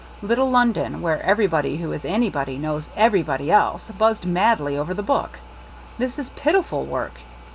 Little London, where everybody who is anybody knows everybody else, buzzed madly over the book. This is pitiful work.